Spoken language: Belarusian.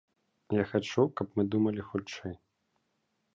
Я хачу, каб мы думалі хутчэй.